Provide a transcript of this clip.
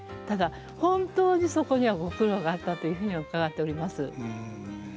ただ本当にそこにはご苦労があったというふうに伺っております。